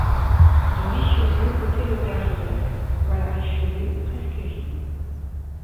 De Richelieu ôtez le père Joseph, voilà Richelieu presque vide.